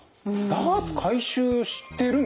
ダーツ回収してるんですね。